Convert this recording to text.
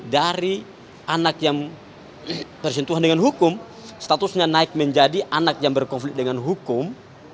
dari anak yang bersentuhan dengan hukum statusnya naik menjadi anak yang berkonflik dengan hukum